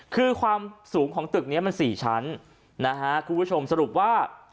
คือความสูงของตึกนี้มัน๔ชั้นนะฮะคุณผู้ชมสรุปว่า